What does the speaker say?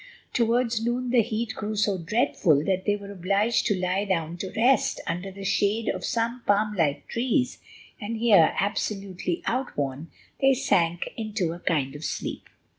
Towards noon the heat grew so dreadful that they were obliged to lie down to rest under the shade of some palm like trees, and here, absolutely outworn, they sank into a kind of sleep.